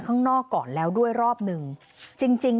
ต่อยกันไปต่อยกันมากลายเป็นเอาปืนออกมายิงกันเลยค่ะ